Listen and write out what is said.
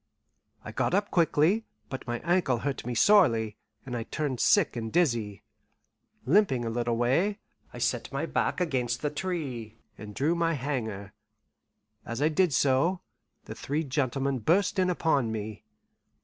I got up quickly; but my ankle hurt me sorely, and I turned sick and dizzy. Limping a little way, I set my back against a tree, and drew my hanger. As I did so, the three gentlemen burst in upon me.